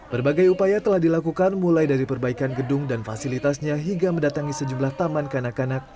berbagai upaya telah dilakukan mulai dari perbaikan gedung dan fasilitasnya hingga mendatangi sejumlah taman kanak kanak